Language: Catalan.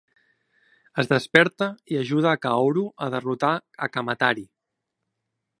Es desperta i ajuda a Kaoru a derrotar a Kamatari.